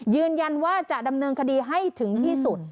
ยืนยันว่าจะดำเนินคดีให้ถึงที่สุด